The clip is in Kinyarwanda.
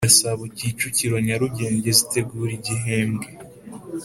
Gasabo Kicukiro Nyarugenge zitegura igihembwe